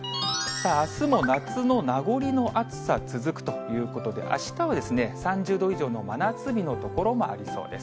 さあ、あすの夏の名残の暑さ続くということで、あしたは３０度以上の真夏日の所もありそうです。